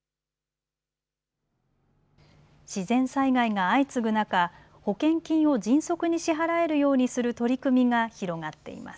自然災害が相次ぐ中、保険金を迅速に支払えるようにする取り組みが広がっています。